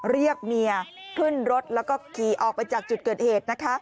เรียกเมียขึ้นรถแล้วก็ขี่ออกไปจากจุดเกิดเหตุ